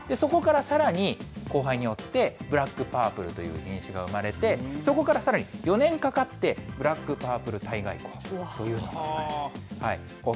そこからさらに、交配によって、ブラックパープルという品種が生まれて、そこからさらに４年かかって、ブラックパープル体外光というのが生まれたと。